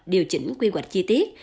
điều chỉnh quy hoạch chi tiết